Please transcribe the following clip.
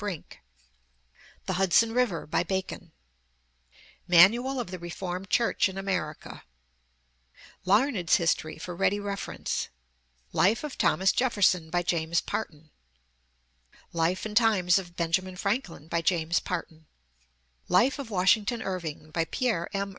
Brink; The Hudson River, by Bacon; Manual of the Reformed Church in America; Larned's History for Ready Reference; Life of Thomas Jefferson, by James Parton ; Life and Times of Benjamin Franklin, by James Parton; Life of Washington Irving, by Pierre M.